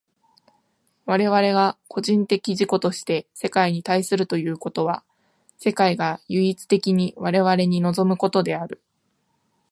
我々が個人的自己として世界に対するということは、世界が唯一的に我々に臨むことである。